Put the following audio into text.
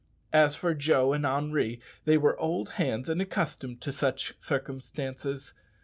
As for Joe and Henri, they were old hands and accustomed to such circumstances.